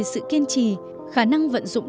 sự kiên trì khả năng vận dụng